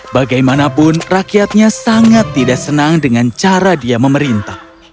bagaimanapun rakyatnya sangat tidak senang dengan cara dia memerintah